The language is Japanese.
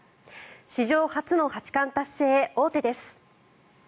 史上初の八冠達成へ王手です。